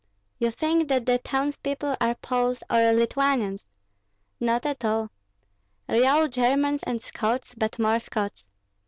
You think that the townspeople are Poles or Lithuanians, not at all. Real Germans and Scots, but more Scots.